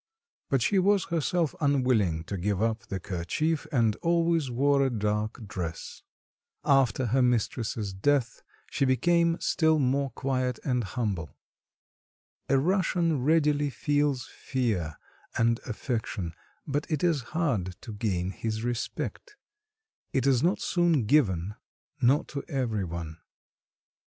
But she was herself unwilling to give up the kerchief and always wore a dark dress. After her mistress' death she became still more quiet and humble. A Russian readily feels fear, and affection; but it is hard to gain his respect: it is not soon given, nor to every one.